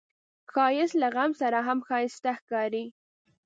ښایست له غم سره هم ښايسته ښکاري